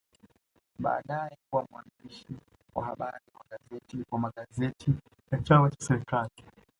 Baadae kuwa mwandishi wa habari wa magazeti ya chama na serikali